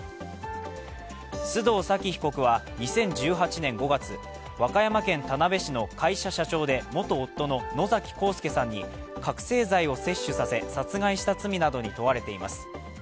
須藤早貴被告は２０１８年５月、和歌山県田辺市の会社社長で元夫の野崎幸助さんに覚醒剤を摂取させ殺害した罪などに問われています。